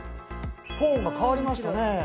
トーンが変わりましたね。